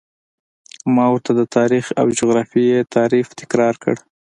ما ورته د تاریخ او جغرافیې تعریف تکرار کړ.